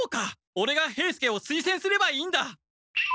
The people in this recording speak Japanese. オレが兵助をすいせんすればいいんだ！